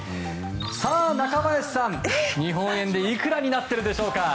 さあ、中林さん、日本円でいくらになっているでしょう？